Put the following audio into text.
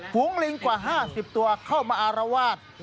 ฝูงลิงกว่า๕๐ตัวเข้ามาอารวาส